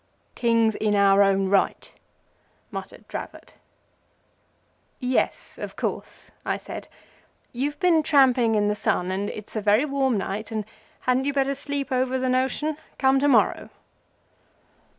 "Kings in our own right," muttered Dravot. "Yes, of course," I said. "You've been tramping in the sun, and it's a very warm night, and hadn't you better sleep over the notion? Come to morrow."